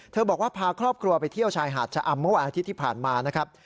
บอกว่าพาครอบครัวไปเที่ยวชายหาดชะอำเมื่อวันอาทิตย์ที่ผ่านมานะครับ